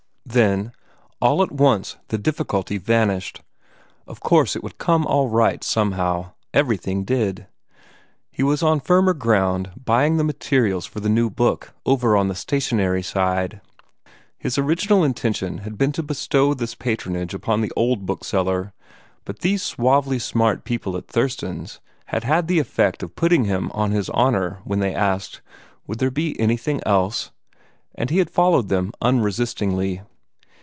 Then all at once the difficulty vanished. Of course it would come all right somehow. Everything did. He was on firmer ground, buying the materials for the new book, over on the stationery side. His original intention had been to bestow this patronage upon the old bookseller, but these suavely smart people in "Thurston's" had had the effect of putting him on his honor when they asked, "Would there be anything else?" and he had followed them unresistingly.